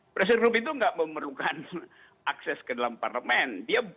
pressure group itu tidak memerlukan akses ke dalam parlemen